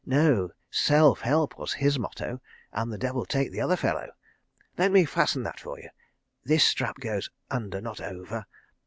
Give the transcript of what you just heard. No. 'Self help' was his motto, and the devil take the other fellow. ... Let me fasten that for you. This strap goes under not over.